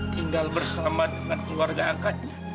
tinggal bersama dengan keluarga angkatnya